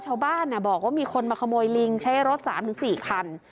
ชาวบ้านน่ะบอกว่ามีคนมาขโมยลิงใช้รถสามถึงสี่คัน